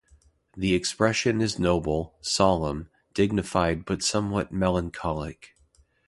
The expression is noble, solemn, dignified but somewhat melancholic.